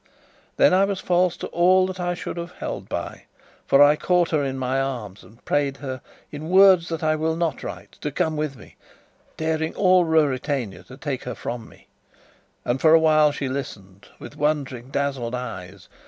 Then I was false to all that I should have held by. For I caught her in my arms and prayed her, in words that I will not write, to come with me, daring all Ruritania to take her from me. And for a while she listened, with wondering, dazzled eyes.